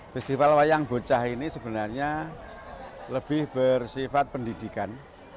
festival wayang bocah ini sebenarnya lebih bersifat pendidikan